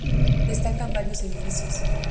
Destacan varios edificios.